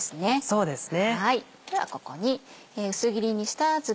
そうですね。